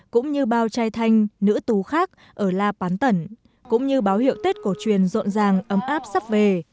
cũng như bao trai thanh nữ tú khác ở la bán tẩn cũng như báo hiệu tết cổ truyền rộn ràng ấm áp sắp về